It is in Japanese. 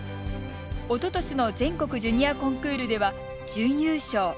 おととしの全国ジュニアコンクールでは準優勝。